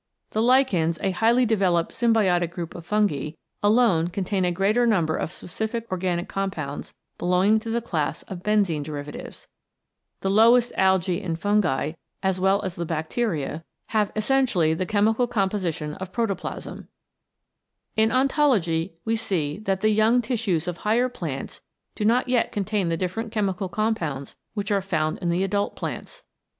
The Lichens, a highly developed symbiotic group of Fungi, alone contain a greater number of specific organic compounds belonging to the class of benzene derivatives. The lowest Algae and Fungi as well as the Bacteria CHEMICAL PHENOMENA IN LIFE have essentially the chemical composition of protoplasm. In Ontology we see that the young tissues of higher plants do not yet contain the different chemical compounds which are found in the adult plants.